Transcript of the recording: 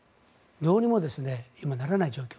どうにも今ならない状況。